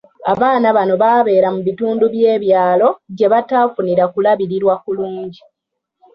Abaana bano babeera mu bitundu by'ebyalo gye batafunira kulabirirwa kulungi.